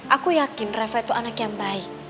aku yakin reva itu anak yang baik